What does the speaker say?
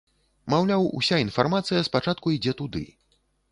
Маўляў, уся інфармацыя спачатку ідзе туды.